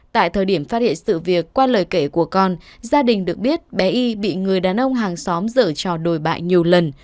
tại thời điểm phát hiện sự việc qua lời kể của con gia đình được biết bé y bị người đàn ông hàng xóm dở trò đồi bại nhiều lần